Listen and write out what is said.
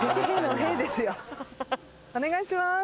お願いします！